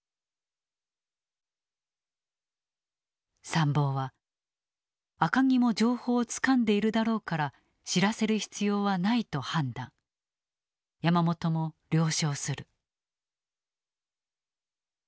参謀は赤城も情報をつかんでいるだろうから知らせる必要はないと判断山本も了承する。